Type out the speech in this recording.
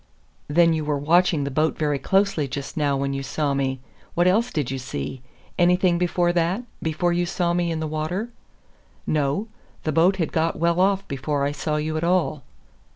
"Then you were watching the boat very closely just now when you saw me. What else did you see? Anything before that before you saw me in the water?" "No the boat had got well off before I saw you at all."